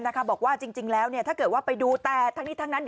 บอกว่าจริงแล้วถ้าเกิดว่าไปดูแต่ทั้งนี้ทั้งนั้น